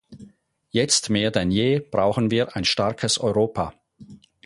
Jetzt mehr denn je brauchen wir ein starkes Europa.